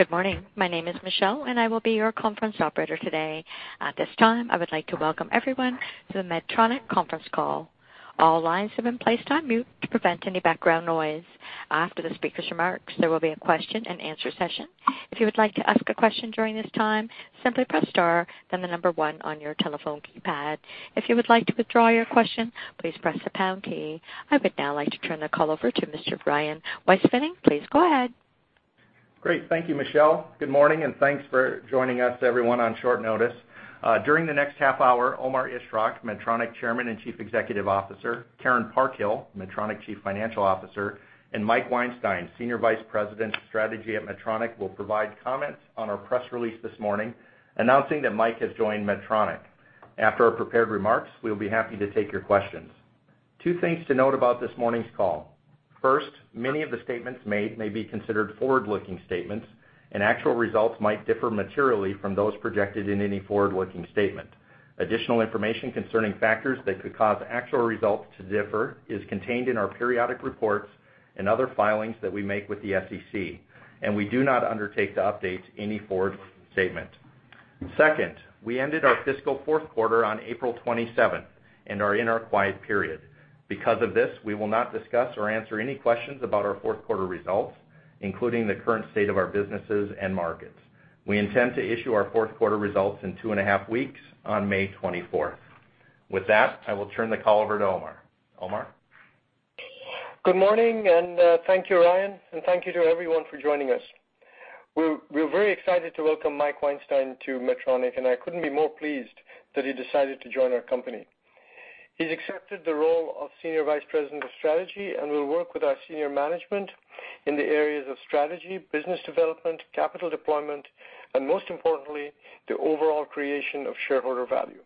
Good morning. My name is Michelle, and I will be your conference operator today. At this time, I would like to welcome everyone to the Medtronic conference call. All lines have been placed on mute to prevent any background noise. After the speaker's remarks, there will be a question and answer session. If you would like to ask a question during this time, simply press star, then the number one on your telephone keypad. If you would like to withdraw your question, please press the pound key. I would now like to turn the call over to Mr. Ryan Weispfenning. Please go ahead. Great. Thank you, Michelle. Good morning. Thanks for joining us, everyone, on short notice. During the next half hour, Omar Ishrak, Medtronic chairman and chief executive officer, Karen Parkhill, Medtronic chief financial officer, and Mike Weinstein, senior vice president of strategy at Medtronic, will provide comments on our press release this morning announcing that Mike has joined Medtronic. After our prepared remarks, we'll be happy to take your questions. Two things to note about this morning's call. First, many of the statements made may be considered forward-looking statements. Actual results might differ materially from those projected in any forward-looking statement. Additional information concerning factors that could cause actual results to differ is contained in our periodic reports and other filings that we make with the SEC. We do not undertake to update any forward statement. Second, we ended our fiscal fourth quarter on April 27th and are in our quiet period. Because of this, we will not discuss or answer any questions about our fourth quarter results, including the current state of our businesses and markets. We intend to issue our fourth quarter results in two and a half weeks, on May 24th. With that, I will turn the call over to Omar. Omar? Good morning. Thank you, Ryan. Thank you to everyone for joining us. We're very excited to welcome Mike Weinstein to Medtronic. I couldn't be more pleased that he decided to join our company. He's accepted the role of senior vice president of strategy and will work with our senior management in the areas of strategy, business development, capital deployment, and most importantly, the overall creation of shareholder value.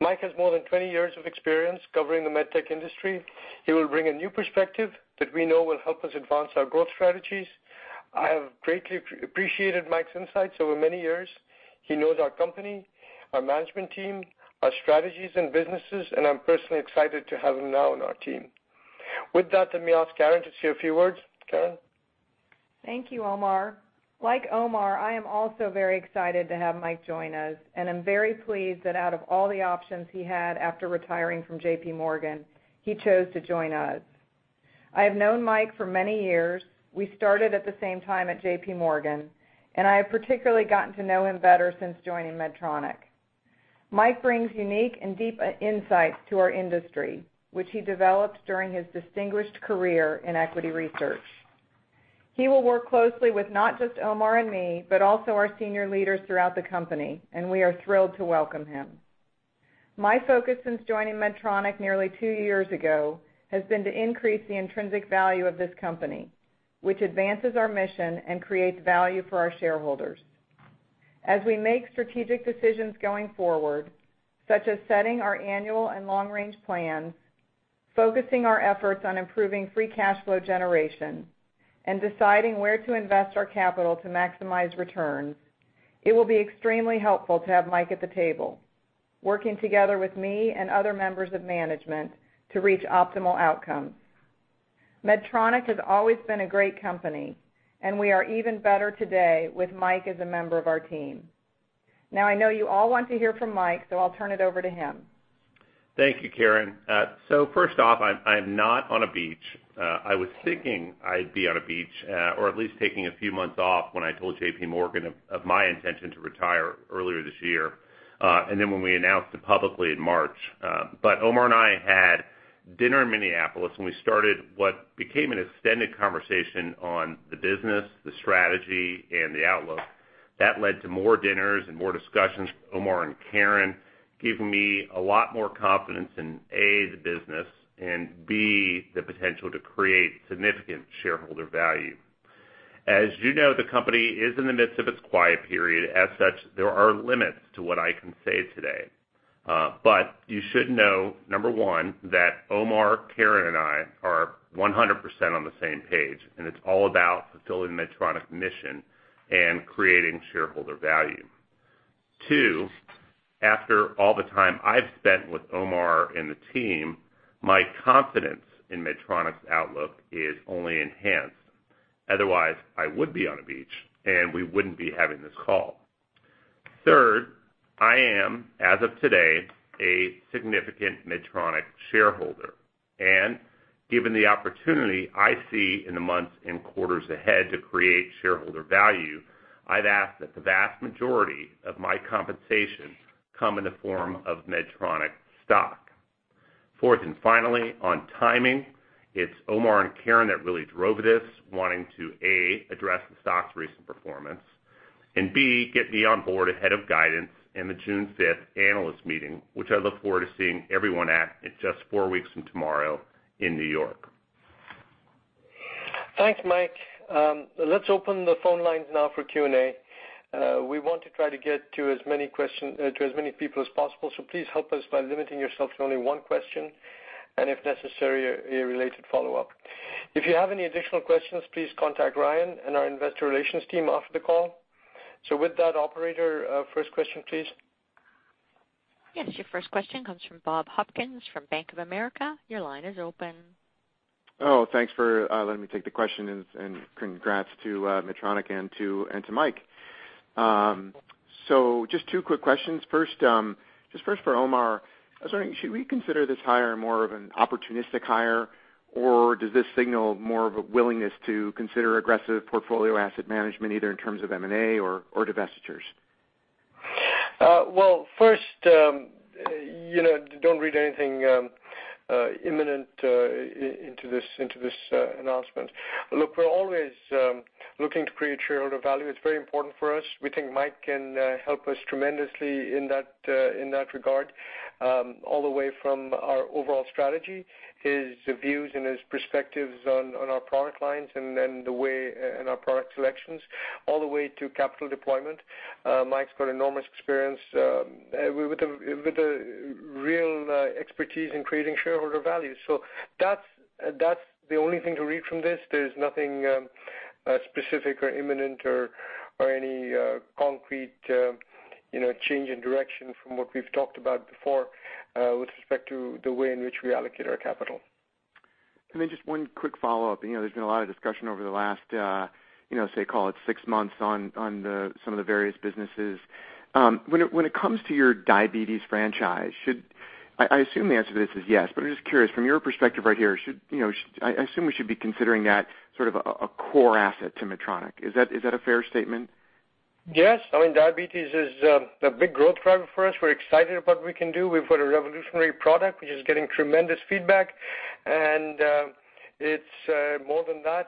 Mike has more than 20 years of experience covering the medtech industry. He will bring a new perspective that we know will help us advance our growth strategies. I have greatly appreciated Mike's insights over many years. He knows our company, our management team, our strategies and businesses. I'm personally excited to have him now on our team. With that, let me ask Karen to say a few words. Karen? Thank you, Omar. Like Omar, I am also very excited to have Mike join us, and I'm very pleased that out of all the options he had after retiring from JPMorgan, he chose to join us. I have known Mike for many years. We started at the same time at JPMorgan, and I have particularly gotten to know him better since joining Medtronic. Mike brings unique and deep insights to our industry, which he developed during his distinguished career in equity research. He will work closely with not just Omar and me, but also our senior leaders throughout the company, and we are thrilled to welcome him. My focus since joining Medtronic nearly two years ago has been to increase the intrinsic value of this company, which advances our mission and creates value for our shareholders. As we make strategic decisions going forward, such as setting our annual and long-range plans, focusing our efforts on improving free cash flow generation, and deciding where to invest our capital to maximize returns, it will be extremely helpful to have Mike at the table, working together with me and other members of management to reach optimal outcomes. Medtronic has always been a great company, and we are even better today with Mike as a member of our team. I know you all want to hear from Mike, I'll turn it over to him. Thank you, Karen. First off, I'm not on a beach. I was thinking I'd be on a beach or at least taking a few months off when I told JPMorgan of my intention to retire earlier this year, when we announced it publicly in March. Omar and I had dinner in Minneapolis, and we started what became an extended conversation on the business, the strategy, and the outlook. That led to more dinners and more discussions with Omar and Karen, giving me a lot more confidence in, A, the business, and B, the potential to create significant shareholder value. As you know, the company is in the midst of its quiet period. As such, there are limits to what I can say today. You should know, number one, that Omar, Karen, and I are 100% on the same page, and it's all about fulfilling Medtronic's mission and creating shareholder value. Two, after all the time I've spent with Omar and the team, my confidence in Medtronic's outlook is only enhanced. Otherwise, I would be on a beach, and we wouldn't be having this call. Third, I am, as of today, a significant Medtronic shareholder. Given the opportunity I see in the months and quarters ahead to create shareholder value, I've asked that the vast majority of my compensation come in the form of Medtronic stock. Fourth, finally, on timing, it's Omar and Karen that really drove this, wanting to, A, address the stock's recent performance, and B, get me on board ahead of guidance in the June 5th Analyst Meeting, which I look forward to seeing everyone at in just four weeks from tomorrow in New York. Thanks, Mike. Let's open the phone lines now for Q&A. We want to try to get to as many people as possible, so please help us by limiting yourself to only one question and, if necessary, a related follow-up. If you have any additional questions, please contact Ryan and our investor relations team after the call. With that, operator, first question, please. Yes. Your first question comes from Bob Hopkins from Bank of America. Your line is open. Thanks for letting me take the question, congrats to Medtronic and to Mike. Just two quick questions. First, for Omar, I was wondering, should we consider this hire more of an opportunistic hire, or does this signal more of a willingness to consider aggressive portfolio asset management, either in terms of M&A or divestitures? Well, first, don't read anything imminent into this announcement. Look, we're always looking to create shareholder value. It's very important for us. We think Mike can help us tremendously in that regard, all the way from our overall strategy, his views and his perspectives on our product lines and our product selections, all the way to capital deployment. Mike's got enormous experience with the real expertise in creating shareholder value. That's the only thing to read from this. There's nothing specific or imminent or any concrete change in direction from what we've talked about before with respect to the way in which we allocate our capital. Just one quick follow-up. There's been a lot of discussion over the last, say, call it six months on some of the various businesses. When it comes to your diabetes franchise, I assume the answer to this is yes, but I'm just curious, from your perspective right here, I assume we should be considering that sort of a core asset to Medtronic. Is that a fair statement? Yes. I mean, diabetes is a big growth driver for us. We're excited about what we can do. We've got a revolutionary product, which is getting tremendous feedback. It's more than that,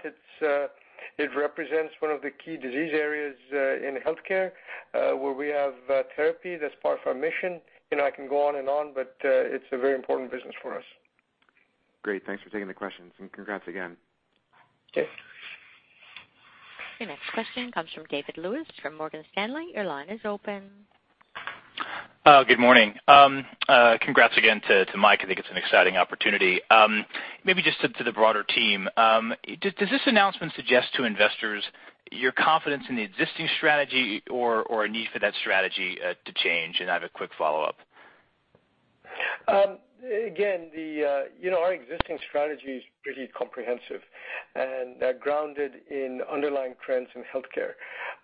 it represents one of the key disease areas in healthcare where we have therapy that's part of our mission, and I can go on and on, but it's a very important business for us. Great. Thanks for taking the questions, and congrats again. Okay. Your next question comes from David Lewis from Morgan Stanley. Your line is open. Good morning. Congrats again to Mike. I think it's an exciting opportunity. Maybe just to the broader team. Does this announcement suggest to investors your confidence in the existing strategy or a need for that strategy to change? I have a quick follow-up. Again, our existing strategy is pretty comprehensive and grounded in underlying trends in healthcare.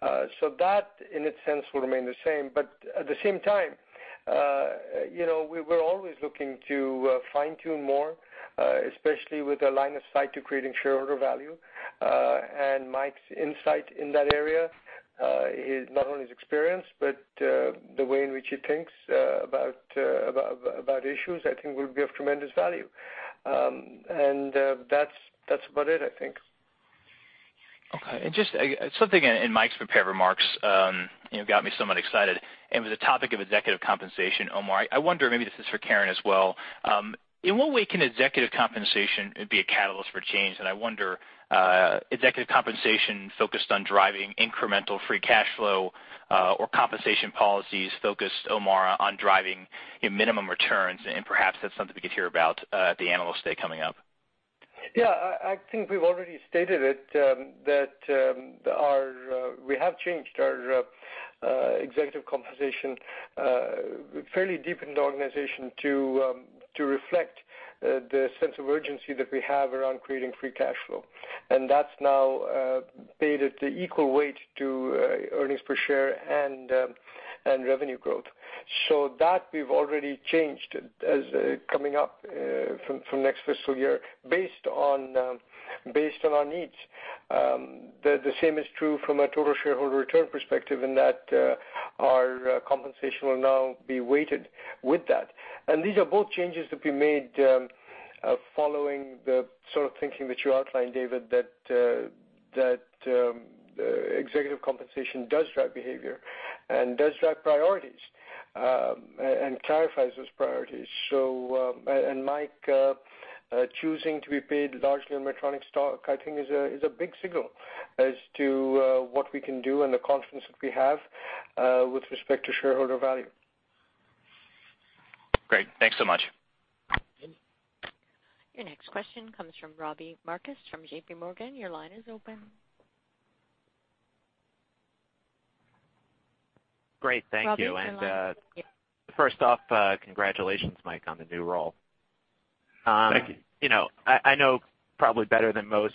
That, in its sense, will remain the same. At the same time, we're always looking to fine-tune more, especially with a line of sight to creating shareholder value. Mike's insight in that area, not only his experience, but the way in which he thinks about issues, I think will be of tremendous value. That's about it, I think. Okay. Just something in Mike's prepared remarks got me somewhat excited. It was the topic of executive compensation, Omar. I wonder, maybe this is for Karen as well. In what way can executive compensation be a catalyst for change? I wonder, executive compensation focused on driving incremental free cash flow, or compensation policies focused, Omar, on driving minimum returns, and perhaps that's something we could hear about at the Analyst Day coming up. Yeah. I think we've already stated it, that we have changed our executive compensation fairly deep in the organization to reflect the sense of urgency that we have around creating free cash flow. That's now paid at the equal weight to earnings per share and revenue growth. That we've already changed as coming up from next fiscal year based on our needs. The same is true from a total shareholder return perspective in that our compensation will now be weighted with that. These are both changes that we made following the sort of thinking that you outlined, David, that executive compensation does drive behavior and does drive priorities, and clarifies those priorities. Mike choosing to be paid largely on Medtronic stock, I think, is a big signal as to what we can do and the confidence that we have with respect to shareholder value. Great. Thanks so much. Your next question comes from Robbie Marcus from JP Morgan. Your line is open. Great. Thank you. Robbie, your line is open. Yeah. First off, congratulations, Mike, on the new role. Thank you. I know probably better than most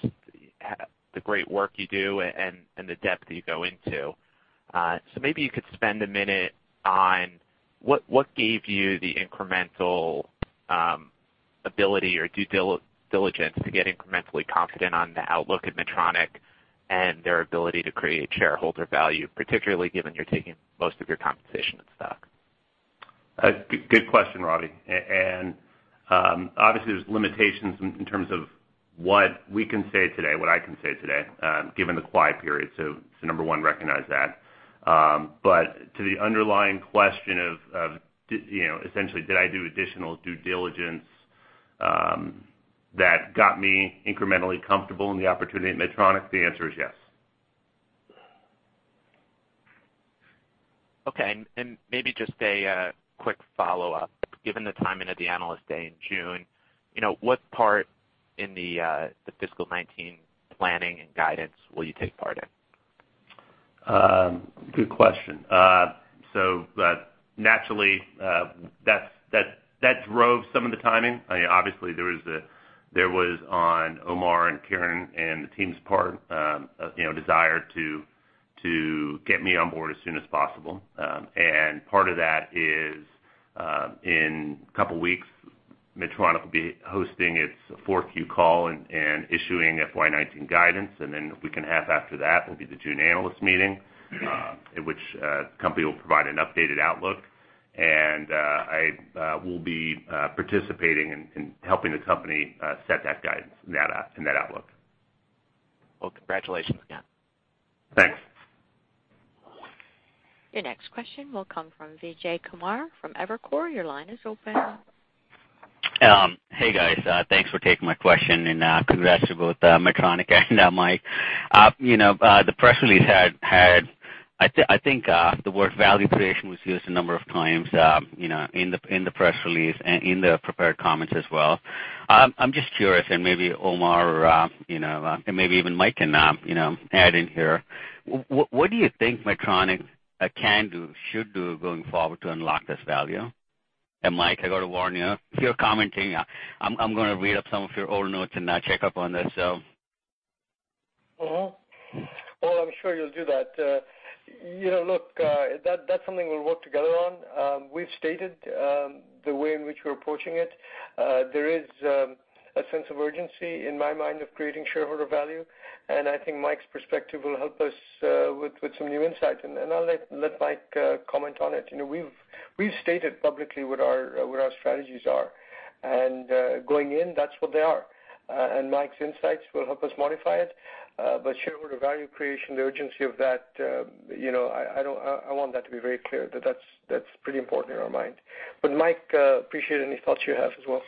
the great work you do and the depth that you go into. Maybe you could spend a minute on what gave you the incremental ability or due diligence to get incrementally confident on the outlook at Medtronic and their ability to create shareholder value, particularly given you're taking most of your compensation in stock. Good question, Robbie. Obviously, there's limitations in terms of what we can say today, what I can say today, given the quiet period. Number one, recognize that. To the underlying question of essentially did I do additional due diligence that got me incrementally comfortable in the opportunity at Medtronic? The answer is yes. Okay. Maybe just a quick follow-up. Given the timing of the Analyst Day in June, what part in the fiscal 2019 planning and guidance will you take part in? Good question. Naturally, that drove some of the timing. Obviously, there was on Omar and Karen and the team's part, a desire to get me on board as soon as possible. Part of that is, in a couple of weeks, Medtronic will be hosting its fourth Q call and issuing FY 2019 guidance. Then a week and a half after that will be the June analyst meeting, in which the company will provide an updated outlook. I will be participating in helping the company set that guidance and that outlook. Well, congratulations again. Thanks. Your next question will come from Vijay Kumar from Evercore. Your line is open. Hey, guys. Thanks for taking my question, congrats to both Medtronic and Mike. The press release had, I think, the word value creation was used a number of times in the press release and in the prepared comments as well. I'm just curious, maybe Omar or maybe even Mike can add in here. What do you think Medtronic can do, should do going forward to unlock this value? Mike, I got to warn you, if you're commenting, I'm going to read up some of your old notes and check up on this. Well, I'm sure you'll do that. Look, that's something we'll work together on. We've stated the way in which we're approaching it. There is a sense of urgency in my mind of creating shareholder value, and I think Mike's perspective will help us with some new insight, and I'll let Mike comment on it. We've stated publicly what our strategies are. Going in, that's what they are. Mike's insights will help us modify it. Shareholder value creation, the urgency of that, I want that to be very clear. That's pretty important in our mind. Mike, appreciate any thoughts you have as well.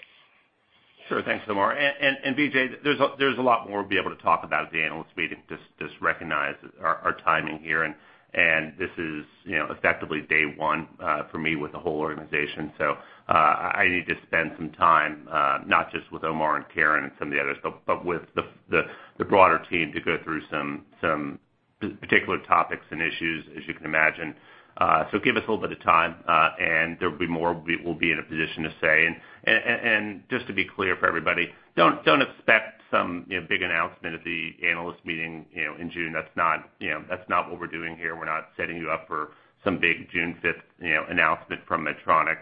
Sure. Thanks, Omar. Vijay, there's a lot more we'll be able to talk about at the analyst meeting, just recognize our timing here, this is effectively day one for me with the whole organization. I need to spend some time, not just with Omar and Karen and some of the others, but with the broader team to go through some particular topics and issues, as you can imagine. Give us a little bit of time, and there'll be more we'll be in a position to say. Just to be clear for everybody, don't expect some big announcement at the analyst meeting in June. That's not what we're doing here. We're not setting you up for some big June 5th announcement from Medtronic.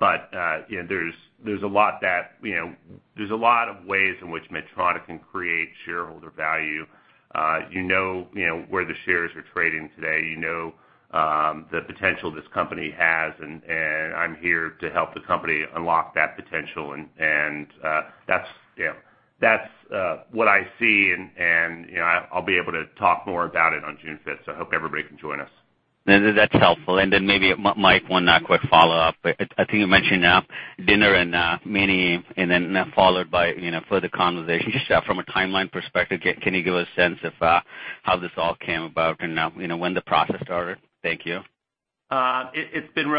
There's a lot of ways in which Medtronic can create shareholder value. You know where the shares are trading today. You know the potential this company has. I'm here to help the company unlock that potential. That's what I see. I'll be able to talk more about it on June 5th. I hope everybody can join us. That's helpful. Maybe, Mike, one quick follow-up. I think you mentioned dinner and meeting, that followed by further conversations. From a timeline perspective, can you give a sense of how this all came about and when the process started? Thank you. It's been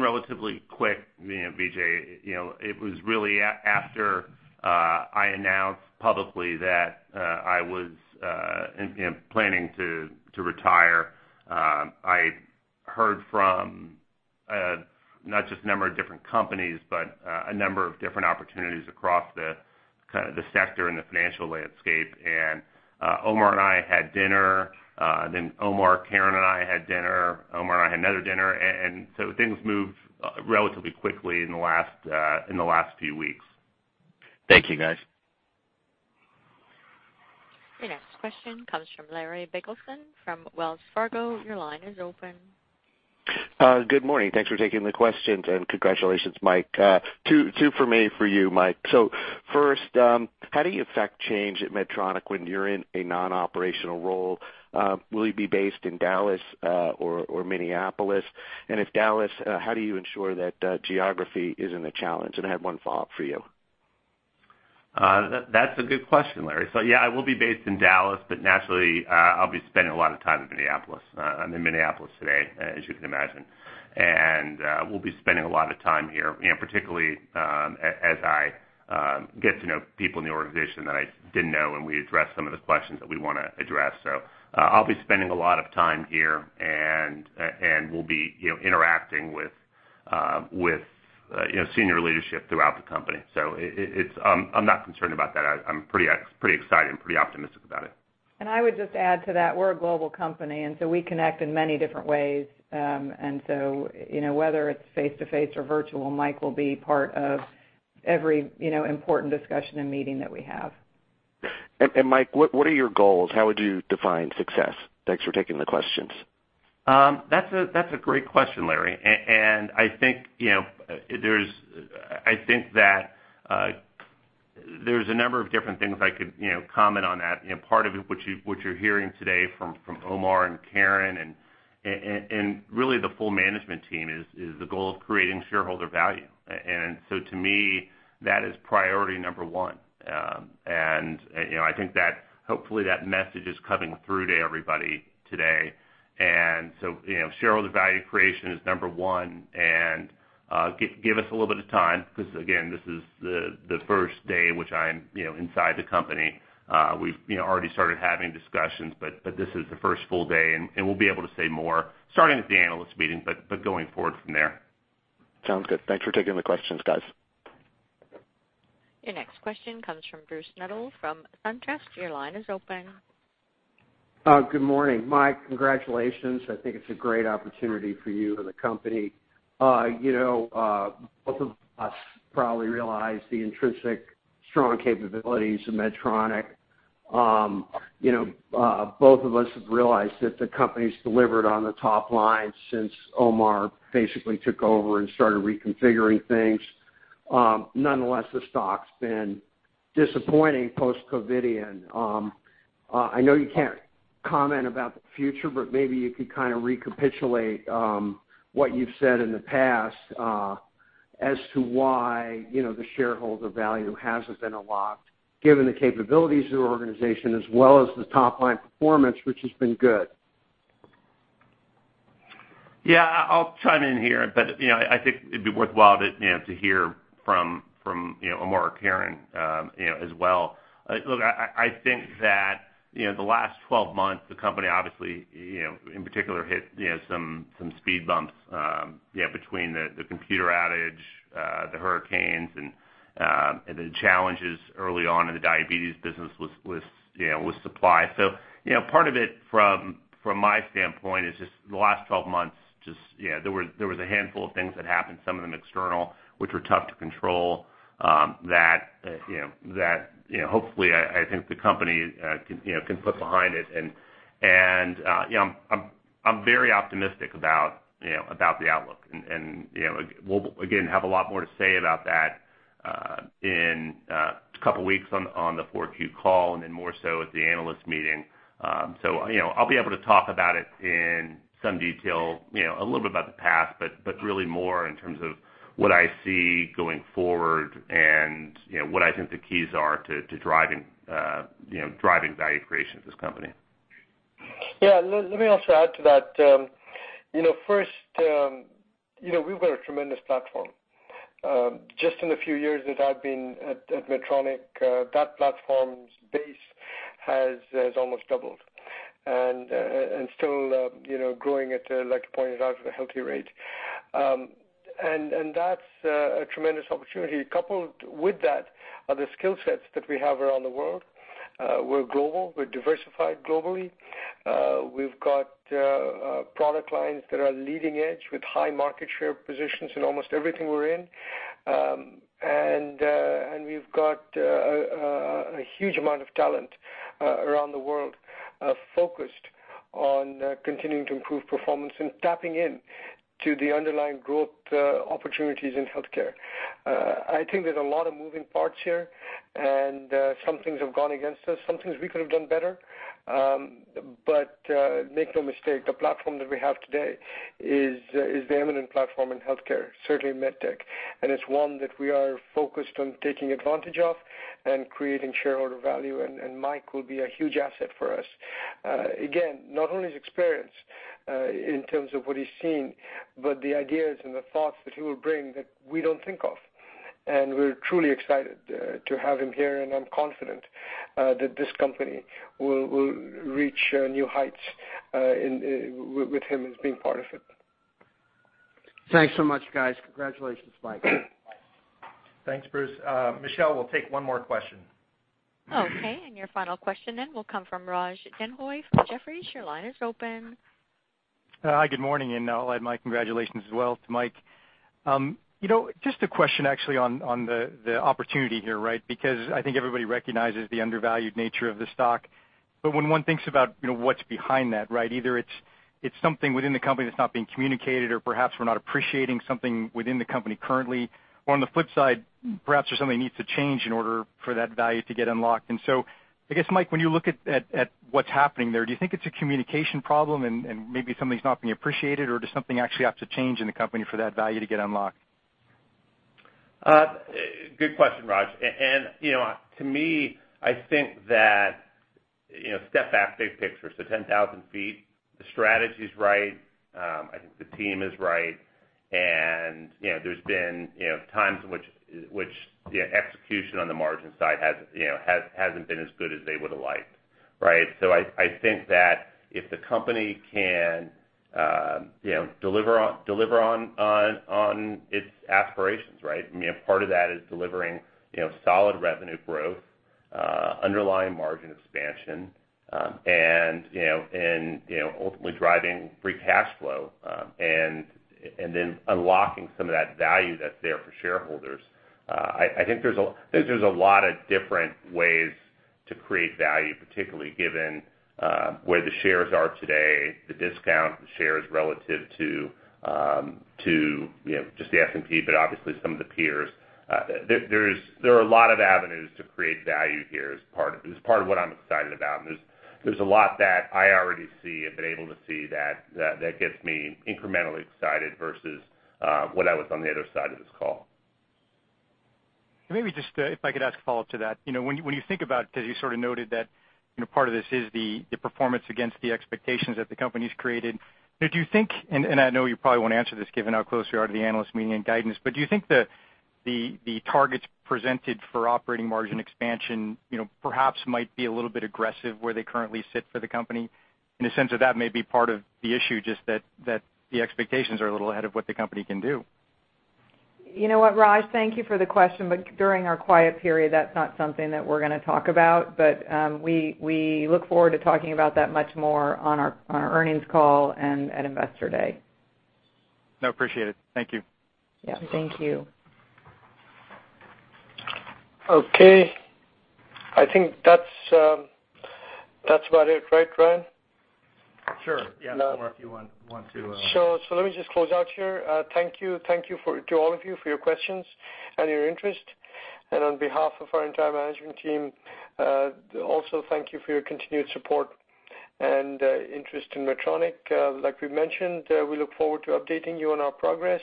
relatively quick, Vijay. It was really after I announced publicly that I was planning to retire. I heard from, not just a number of different companies, but a number of different opportunities across the sector and the financial landscape. Omar and I had dinner, Omar, Karen, and I had dinner. Omar and I had another dinner, things moved relatively quickly in the last few weeks. Thank you, guys. Your next question comes from Larry Biegelsen from Wells Fargo. Your line is open. Good morning. Thanks for taking the questions, and congratulations, Mike. Two from me for you, Mike. First, how do you affect change at Medtronic when you're in a non-operational role? Will you be based in Dallas or Minneapolis? If Dallas, how do you ensure that geography isn't a challenge? I have one follow-up for you. That's a good question, Larry. Yeah, I will be based in Dallas, but naturally, I'll be spending a lot of time in Minneapolis. I'm in Minneapolis today, as you can imagine. Will be spending a lot of time here, particularly as I get to know people in the organization that I didn't know, and we address some of the questions that we want to address. I'll be spending a lot of time here, and will be interacting with senior leadership throughout the company. I'm not concerned about that. I'm pretty excited and pretty optimistic about it. I would just add to that, we're a global company, and so we connect in many different ways. Whether it's face-to-face or virtual, Mike will be part of every important discussion and meeting that we have. Mike, what are your goals? How would you define success? Thanks for taking the questions. That's a great question, Larry. I think that there's a number of different things I could comment on that. Part of it, what you're hearing today from Omar and Karen, and really the full management team, is the goal of creating shareholder value. To me, that is priority number one. I think that hopefully that message is coming through to everybody today. Shareholder value creation is number one, and give us a little bit of time because, again, this is the first day which I'm inside the company. We've already started having discussions, but this is the first full day, and we'll be able to say more, starting at the analyst meeting, but going forward from there. Sounds good. Thanks for taking the questions, guys. Your next question comes from Brooks Nettle from SunTrust. Your line is open. Good morning. Mike, congratulations. I think it's a great opportunity for you and the company. Both of us probably realize the intrinsic strong capabilities of Medtronic. Both of us have realized that the company's delivered on the top line since Omar basically took over and started reconfiguring things. Nonetheless, the stock's been disappointing post-Covidien. I know you can't comment about the future, but maybe you could kind of recapitulate what you've said in the past as to why the shareholder value hasn't been unlocked, given the capabilities of the organization as well as the top-line performance, which has been good. Yeah, I'll chime in here, but I think it'd be worthwhile to hear from Omar Ishrak as well. Look, I think that the last 12 months, the company obviously, in particular, hit some speed bumps between the computer outage, the hurricanes, and the challenges early on in the diabetes business with supply. Part of it, from my standpoint, is just the last 12 months, just there was a handful of things that happened, some of them external, which were tough to control, that hopefully, I think the company can put behind it. I'm very optimistic about the outlook. We'll, again, have a lot more to say about that in a couple of weeks on the 4Q call and then more so at the analyst meeting. I'll be able to talk about it in some detail, a little bit about the past, but really more in terms of what I see going forward and what I think the keys are to driving value creation at this company. Yeah, let me also add to that. First, we've got a tremendous platform. Just in the few years that I've been at Medtronic, that platform's base has almost doubled and still growing at a, like you pointed out, a healthy rate. That's a tremendous opportunity. Coupled with that are the skill sets that we have around the world. We're global. We're diversified globally. We've got product lines that are leading edge with high market share positions in almost everything we're in. We've got a huge amount of talent around the world focused on continuing to improve performance and tapping into the underlying growth opportunities in healthcare. I think there's a lot of moving parts here, and some things have gone against us. Some things we could have done better. Make no mistake, the platform that we have today is the eminent platform in healthcare, certainly medtech. It's one that we are focused on taking advantage of and creating shareholder value, and Mike will be a huge asset for us. Again, not only his experience in terms of what he's seen, but the ideas and the thoughts that he will bring that we don't think of. We're truly excited to have him here, and I'm confident that this company will reach new heights with him as being part of it. Thanks so much, guys. Congratulations, Mike. Thanks, Brooks. Michelle, we'll take one more question. Okay. Your final question then will come from Raj Denhoy from Jefferies. Your line is open. Hi, good morning. I'll add my congratulations as well to Mike. Just a question actually on the opportunity here. I think everybody recognizes the undervalued nature of the stock. When one thinks about what's behind that, either it's something within the company that's not being communicated or perhaps we're not appreciating something within the company currently. On the flip side, perhaps there's something that needs to change in order for that value to get unlocked. I guess, Mike, when you look at what's happening there, do you think it's a communication problem and maybe something's not being appreciated? Or does something actually have to change in the company for that value to get unlocked? Good question, Raj. To me, I think that, step back big picture, so 10,000 feet, the strategy's right. I think the team is right. There's been times in which the execution on the margin side hasn't been as good as they would've liked. I think that if the company can deliver on its aspirations, part of that is delivering solid revenue growth, underlying margin expansion, and ultimately driving free cash flow, and then unlocking some of that value that's there for shareholders. I think there's a lot of different ways to create value, particularly given where the shares are today, the discount, the shares relative to just the S&P, but obviously some of the peers. There are a lot of avenues to create value here is part of what I'm excited about. There's a lot that I already see and been able to see that gets me incrementally excited versus when I was on the other side of this call. Maybe just if I could ask a follow-up to that. When you think about, you sort of noted that part of this is the performance against the expectations that the company's created. Do you think, and I know you probably won't answer this given how close we are to the analyst meeting and guidance, but do you think the targets presented for operating margin expansion perhaps might be a little bit aggressive where they currently sit for the company in the sense that may be part of the issue, just that the expectations are a little ahead of what the company can do? You know what, Raj? Thank you for the question. During our quiet period, that's not something that we're going to talk about. We look forward to talking about that much more on our earnings call and at Investor Day. No, appreciate it. Thank you. Yeah. Thank you. Okay. I think that's about it. Right, Ryan? Sure. Yeah. Omar, if you want to- Let me just close out here. Thank you to all of you for your questions and your interest. On behalf of our entire management team, also thank you for your continued support and interest in Medtronic. Like we mentioned, we look forward to updating you on our progress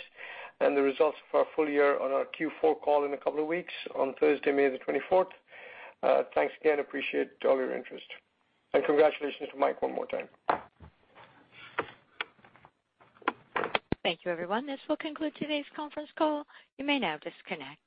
and the results of our full year on our Q4 call in a couple of weeks on Thursday, May the 24th. Thanks again. Appreciate all your interest. Congratulations to Mike one more time. Thank you, everyone. This will conclude today's conference call. You may now disconnect.